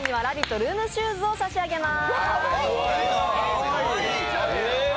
ルームシューズを差し上げます。